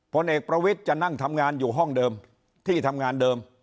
ผลเอกประวิทย์จะนั่งทำงานอยู่ห้องเดิมที่ทำงานเดิม